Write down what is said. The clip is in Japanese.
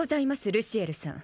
ルシエルさん